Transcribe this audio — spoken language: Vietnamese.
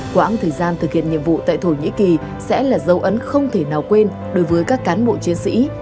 quãng thời gian thực hiện nhiệm vụ tại thổ nhĩ kỳ sẽ là dấu ấn không thể nào quên đối với các cán bộ chiến sĩ